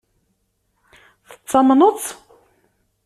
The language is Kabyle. Tettamneḍ-tt?